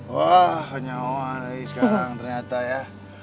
wah kenyawaan sekarang ternyata ya